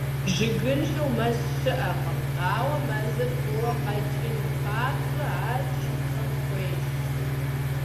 Жыгыншэу мэз щыӏэкъым, ауэ мэзыр фӏыуэ къэкӏын папщӏэ, ар чыцэм хуейщ.